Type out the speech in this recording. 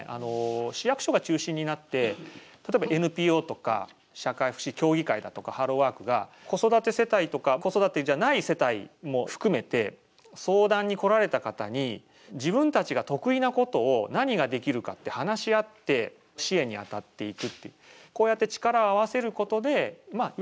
市役所が中心になって例えばＮＰＯとか社会福祉協議会だとかハローワークが子育て世帯とか子育てじゃない世帯も含めて相談に来られた方に自分たちが得意なことを何ができるかって話し合って支援に当たっていくっていう。